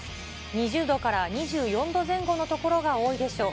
２０度から２４度前後の所が多いでしょう。